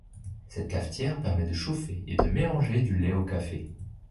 Cette cafetière permet de chauffer et de mélanger du lait au café.